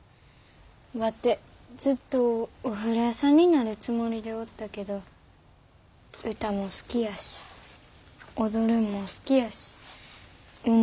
ワテずっとお風呂屋さんになるつもりでおったけど歌も好きやし踊るんも好きやし運動も好きやし。